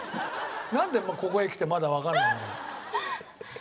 なんでここへ来てまだわからない。